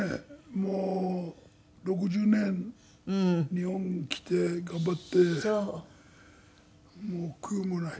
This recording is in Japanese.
もう６０年日本に来て頑張ってもう悔いもない。